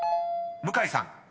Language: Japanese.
［向井さん］